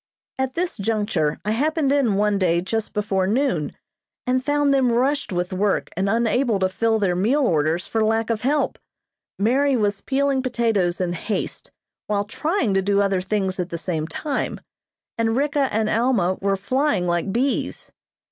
At this juncture I happened in one day just before noon and found them rushed with work and unable to fill their meal orders for lack of help. Mary was peeling potatoes in haste, while trying to do other things at the same time, and Ricka and Alma were flying like bees.